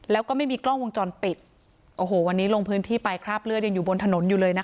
แล้วก็ไม่มีกล้องวงจรปิดโอ้โหวันนี้ลงพื้นที่ไปคราบเลือดยังอยู่บนถนนอยู่เลยนะคะ